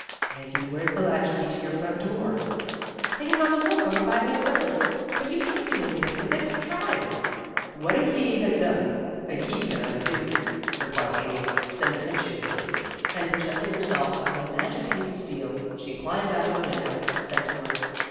"Peggy, where's the latch key to your front door?" "Hanging on a hook over by the umbrellas. But you can't do anything with it. I Ve tried. " "What a key has done a key can undo," re plied Amy, sententiously ; and possessing her self of the magic piece of steel, she climbed out of the window and set to work.